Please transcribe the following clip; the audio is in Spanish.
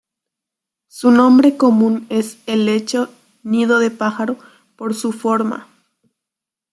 Su nombre común es helecho "nido de pájaro" por su forma.